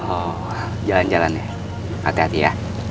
oh jalan jalan ya hati hati ya